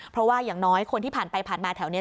เพราะว่าอย่างน้อยคนที่ผ่านไปผ่านมาแถวนี้